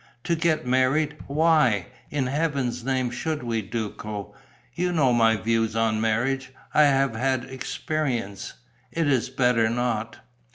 To get married! Why, in Heaven's name, should we, Duco? You know my views on marriage. I have had experience: it is better not."